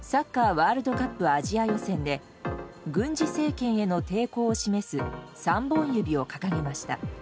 ワールドカップアジア予選で軍事政権への抵抗を示す３本指を掲げました。